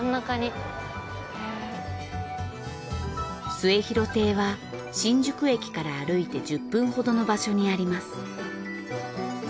『末廣亭』は新宿駅から歩いて１０分ほどの場所にあります。